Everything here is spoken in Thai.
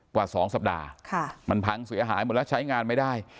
กว่า๒สัปดาห์มันพังเสียหายหมดแล้วใช้งานไม่ได้